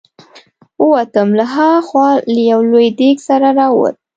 او ووتم، له ها خوا له یو لوی دېګ سره را ووت.